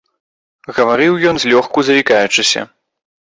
Гаварыў ён злёгку заікаючыся.